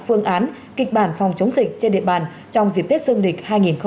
phương án kịch bản phòng chống dịch trên địa bàn trong dịp tết dương lịch hai nghìn hai mươi